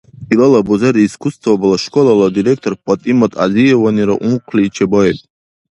Илала бузери искусствобала школала директор ПатӀимат Азиеванира ункъли чебаиб.